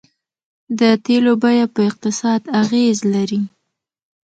د تیلو بیه په اقتصاد اغیز لري.